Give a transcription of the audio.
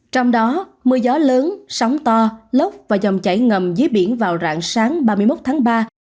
trong đó mưa gió lớn sóng to lốc và dòng chảy ngầm dưới biển vào rạng sáng ba mươi một tháng ba